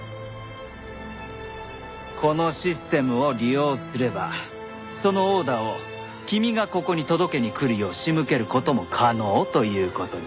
このシステムを利用すればそのオーダーを君がここに届けに来るよう仕向ける事も可能という事だ。